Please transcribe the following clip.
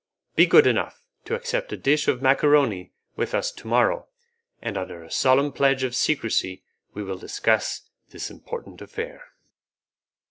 Be good enough, to accept a dish of macaroni with us to morrow, and under a solemn pledge of secrecy we will discuss this important affair."